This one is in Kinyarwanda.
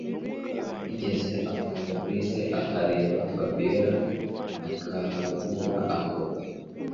bigeze aho Fabric akareba Fabiora akabura aho